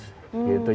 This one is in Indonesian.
mereka punya feeling